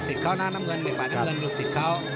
ศิษย์เข้าหน้าน้ำเงินฝ่านน้ำเงินลูกศิษย์เข้า